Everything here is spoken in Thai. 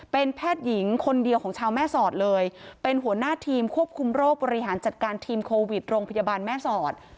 เป็นแพทย์หญิงคนเดียวของชาวแม่สอดเลยเป็นหัวหน้าทีมควบคุมโรคบริหารจัดการทีมโควิดโรงพยาบาลแม่สอด